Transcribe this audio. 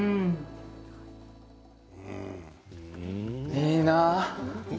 いいなあ。